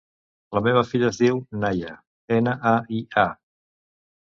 La meva filla es diu Naia: ena, a, i, a.